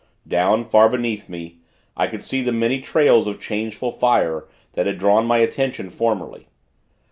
Down, far beneath me, I could see the many trails of changeful fire, that had drawn my attention, formerly.